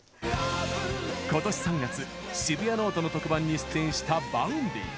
ことし３月「シブヤノオト」の特番に出演したＶａｕｎｄｙ。